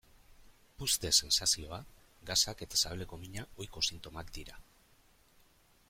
Puzte-sentsazioa, gasak eta sabeleko mina ohiko sintomak dira.